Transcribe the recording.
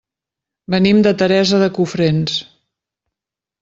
Venim de Teresa de Cofrents.